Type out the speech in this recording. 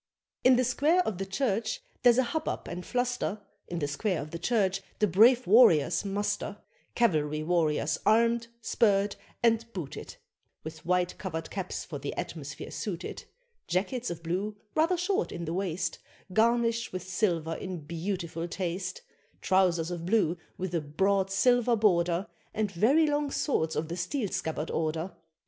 In the square of the Church there's a hubbub and fluster, In the square of the Church the brave warriors muster Cavalry warriors armed, spurred, and booted, With white covered caps for the atmosphere suited, Jackets of blue, rather short in the waist, Garnished with silver in beautiful taste, Trousers of blue with a broad silver border And very long swords of the steel scabbard order.